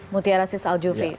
mutiara sis aljufri